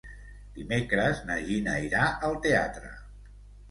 Dimecres na Gina irà al teatre.